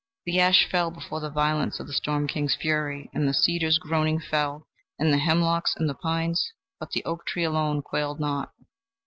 The ash fell before the violence of the storm king's fury, and the cedars groaning fell, and the hemlocks and the pines; but the oak tree alone quailed not.